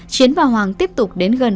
chiến và hoàng tiếp tục đến gần